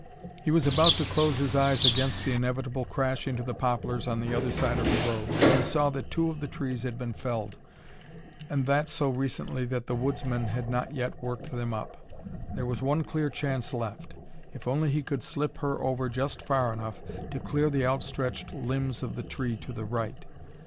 He was about to close his eyes against the inevitable crash into the poplars on the other side of the road when he saw that two of the trees had been felled, and that so recently that the woodsmen had not yet worked them up. There was one clear chance left. If only he could slip her over just far enough to clear the outstretched limbs of the tree to the right.